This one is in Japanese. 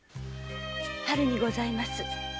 春にございます。